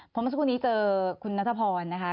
เพราะเมื่อสักครู่นี้เจอคุณนัทพรนะคะ